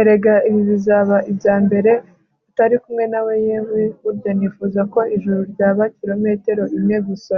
erega ibi bizaba ibya mbere utari kumwe nawe yewe, burya nifuza ko ijuru ryaba kilometero imwe gusa